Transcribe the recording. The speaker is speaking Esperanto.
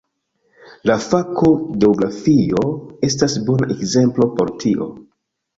La fako geografio estas bona ekzemplo por tio.